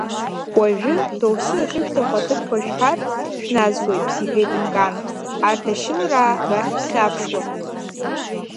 Уажәы, доусы иахьышәҭаху аҭыԥқәа шәҳәар, шәназгоит, — иҳәеит Мкан Ардашьылраа рахь дхьаԥшуа.